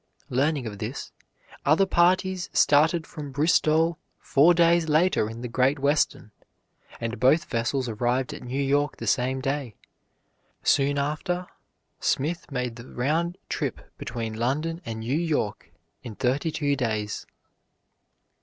Learning of this, other parties started from Bristol four days later in the Great Western, and both vessels arrived at New York the same day. Soon after Smith made the round trip between London and New York in thirty two days.